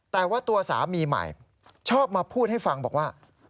แต่ว่าตัวสามีใหม่ชอบมาพูดให้ฟังบอกว่า